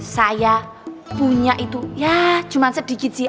saya punya itu ya cuma sedikit sih